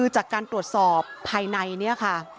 จากการตรวจสอบภายในนี้